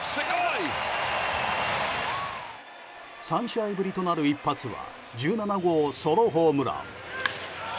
３試合ぶりとなる一発は１７号ソロホームラン。